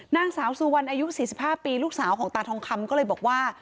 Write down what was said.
นางสาวสุวรรณอายุ๔๕ปีลูกสาวของตาทองคำก็เลยบอกว่า